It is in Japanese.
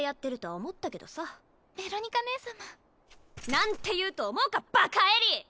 なんて言うと思うかバカエリー！